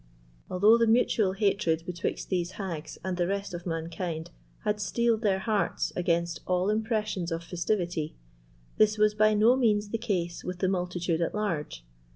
Although the mutual hatred betwixt these hags and the rest of mankind had steeled their hearts against all impressions of festivity, this was by no means the case with the multitude at large.